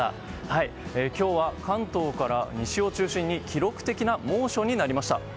今日は関東から西を中心に記録的な猛暑になりました。